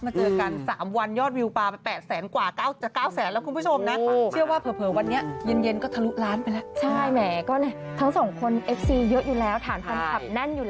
เพราะว่าแรกเผื่อครับ